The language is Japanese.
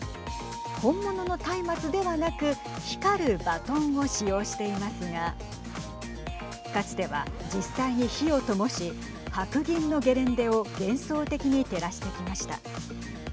本物のたいまつではなく光るバトンを使用していますがかつては、実際に火をともし白銀のゲレンデを幻想的に照らしてきました。